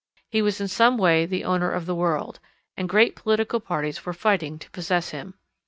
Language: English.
He was in some way the owner of the world, and great political parties were fighting to possess him.